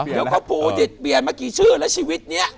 เดี๋ยวก็ภูดิษฐ์เปลี่ยนมากี่ชื่อแล้วชีวิตเนี่ย